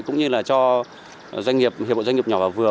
cũng như là cho doanh nghiệp hiệp hội doanh nghiệp nhỏ và vừa